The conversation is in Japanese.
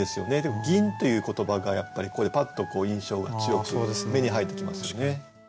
「銀」という言葉がやっぱりパッと印象を強くする目に入ってきますよね。